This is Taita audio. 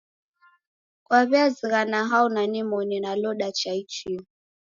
Kwaw'iazighana hao na nimoni naloda cha ichia?